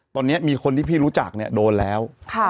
ตอนนี้มีคนที่พี่รู้จักเนี่ยโดนแล้ว